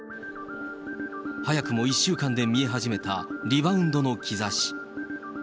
早くも１週間で見え始めた、リバウンドの兆し。